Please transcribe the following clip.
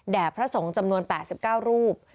พระสงฆ์จำนวน๘๙รูป